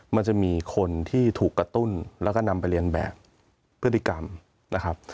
มันจะมีคนที่ถูกกระตุ้นแล้วก็นำไปเรียนแบบพฤติกรรมนะครับ